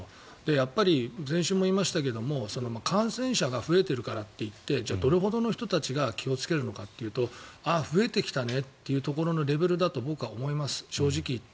やっぱり先週も言いましたが感染者が増えているからといってどれほどの人たちが気をつけるのかというと増えてきたねっていうところのレベルだと僕は思います、正直言って。